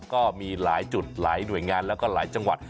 ก็มีหลายจุดหลายหน่วยงานแล้วก็หลายจังหวัด